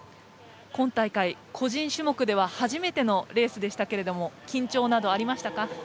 今大会個人種目で初めてのレースでしたが緊張などありましたか？